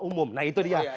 umum nah itu dia